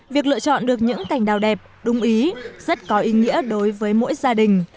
việc lựa chọn được những cành đào đẹp đúng ý rất có ý nghĩa đối với mỗi gia đình